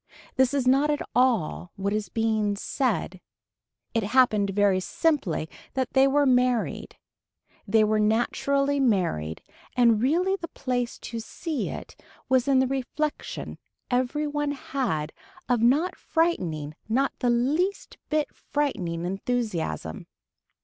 This is not at all what is being said. It happened very simply that they were married. They were naturally married and really the place to see it was in the reflection every one had of not frightening not the least bit frightening enthusiasm.